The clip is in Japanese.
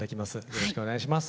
よろしくお願いします。